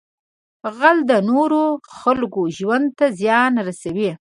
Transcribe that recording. غل د نورو خلکو ژوند ته زیان رسوي